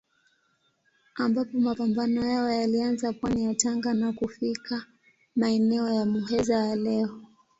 Ambapo mapambano yao yalianza pwani ya Tanga na kufika maeneo ya Muheza ya leo.